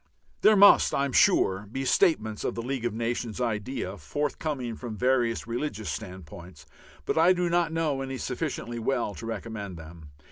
There must, I am sure, be statements of the League of Nations idea forthcoming from various religious standpoints, but I do not know any sufficiently well to recommend them.